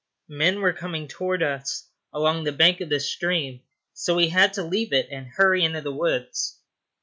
Men were coming towards us along the bank of the stream, so we had to leave it and hurry into the woods.